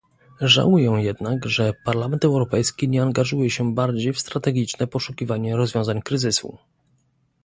Żałuję jednak, że Parlament Europejski nie angażuje się bardziej w strategiczne poszukiwanie rozwiązań kryzysu